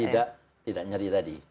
dan tidak nyari tadi